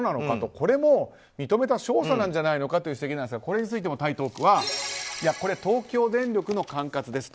これも認めた証左なんじゃないのかという指摘ですがこれについても台東区はこれは東京電力の管轄ですと。